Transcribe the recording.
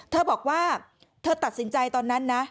เธอบอกว่าเธอตัดสินใจตอนนั้นนะ